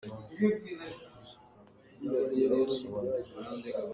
A kedan a tlak ruangah a ṭap.